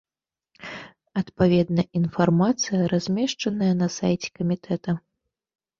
Адпаведная інфармацыя размешчаная на сайце камітэта.